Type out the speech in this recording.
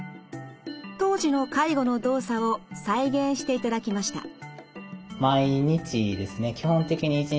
当時の介護の動作を再現していただきました。